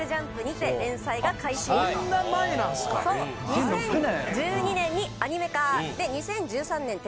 ２０１２年にアニメ化。で２０１３年手